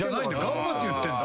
頑張って言ってんだ。